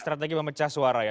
strategi memecah suara ya